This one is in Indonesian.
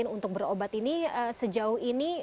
untuk berobat ini sejauh ini